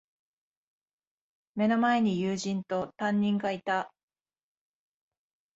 目の前に友人と、担任がいた。